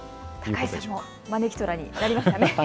高井さんも招きとらになりましたね。